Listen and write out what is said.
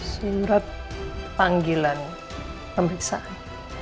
surat panggilan pembicaraan